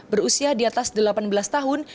berusia di atas delapan belas tahun